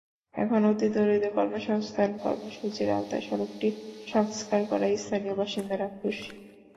এখন অতিদরিদ্র কর্মসংস্থান কর্মসূচির আওতায় সড়কটি সংস্কার করায় স্থানীয় বাসিন্দারা খুশি।